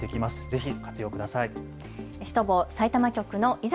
ぜひご活用ください。